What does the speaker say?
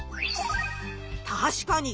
確かに！